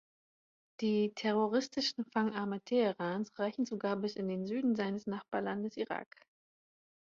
Die terroristischen Fangarme Teherans reichen sogar bis in den Süden seines Nachbarlandes Irak.